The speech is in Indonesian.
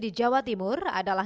di jawa timur adalah